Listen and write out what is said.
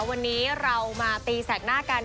วันนี้เรามาตีแสกหน้ากัน